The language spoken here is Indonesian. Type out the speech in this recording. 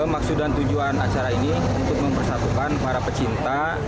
maksud dan tujuan acara ini untuk mempersatukan para pecinta